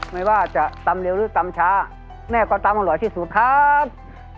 ไม่ว่าจะตำเร็วหรือตำช้าแม่ก็ตำอร่อยที่สุดครับ